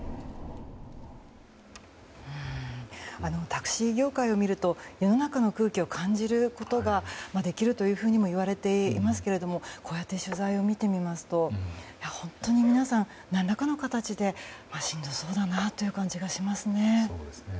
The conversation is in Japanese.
タクシー業界を見ると世の中の空気を感じることができるというふうにもいわれていますけれどもこうして取材を見てみますと本当に皆さん、何らかの形でしんどそうだなという感じがしますね。